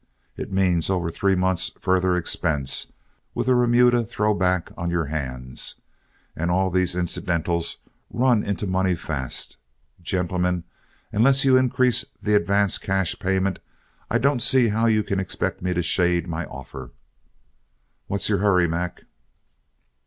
It means over three months' further expense, with a remuda thrown back on your hands; and all these incidentals run into money fast. Gentlemen, unless you increase the advance cash payment, I don't see how you can expect me to shade my offer. What's your hurry, Mac?"